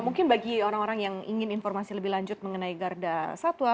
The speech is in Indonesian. mungkin bagi orang orang yang ingin informasi lebih lanjut mengenai garda satwa